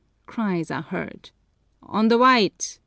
Cries are heard, "On the white!"